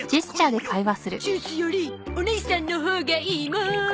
ジュースよりおねいさんのほうがいいもん